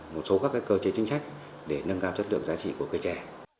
một số các cơ chế chính sách để nâng cao chất lượng giá trị của cây trẻ